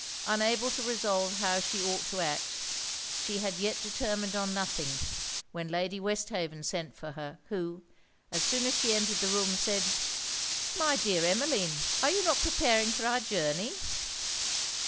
Unable to resolve how she ought to act, she had yet determined on nothing, when Lady Westhaven sent for her, who, as soon as she entered the room, said 'My dear Emmeline, are you not preparing for our journey?'